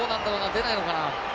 出ないのかな？